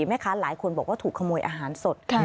แม่ค้าหลายคนบอกว่าถูกขโมยอาหารสด